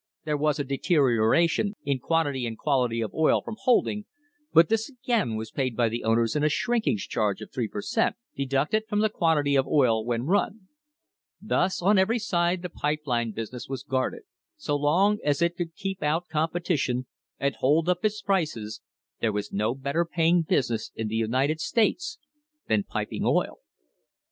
There was a deterioration in quantity and quality of oil from holding, but this again was paid by the owners in a shrinkage charge of three per cent., deducted from the quantity of oil when run. Thus on every side the pipe line business was guarded. So long as it could keep out competition and hold up its prices, there was no better paying business in the United States than piping oil.